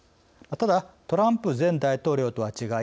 ただトランプ前大統領とは違い